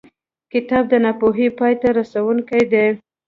کتاب د ناپوهۍ پای ته رسوونکی دی.